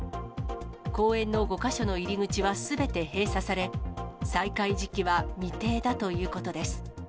公園の５か所の入り口はすべて閉鎖され、再開時期は未定だということです。